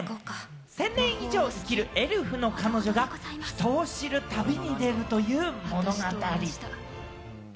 １０００年以上生きる、エルフの彼女が人を知る旅に出るという物語。